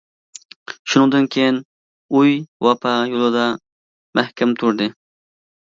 شۇنىڭدىن كېيىن ئۇي ۋاپا يولىدا مەھكەم تۇردى.